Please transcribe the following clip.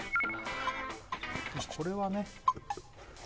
これはね